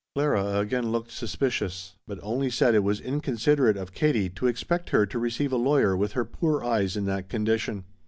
Clara again looked suspicious, but only said it was inconsiderate of Katie to expect her to receive a lawyer with her poor eyes in that condition.